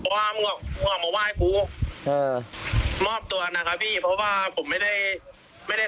แล้วก็ต่อตัวเรื่องใหญ่